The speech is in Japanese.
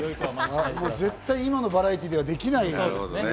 もう絶対、今のバラエティーではできない。